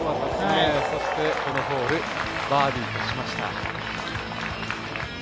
そしてこのホールバーディーとしました。